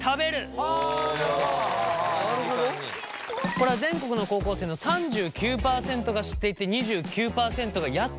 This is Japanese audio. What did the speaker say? これは全国の高校生の３９％が知っていて２９％がやったことがある